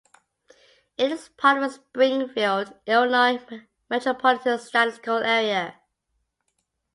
It is part of the Springfield, Illinois Metropolitan Statistical Area.